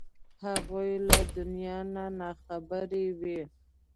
هغوی له دنیا نه نا خبرې وې.